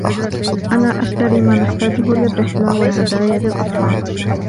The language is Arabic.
أنا أشتري ما نحتاجهُ للرحلة, والهدايا للأطفال.